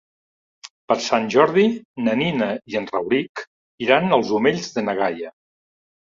Per Sant Jordi na Nina i en Rauric iran als Omells de na Gaia.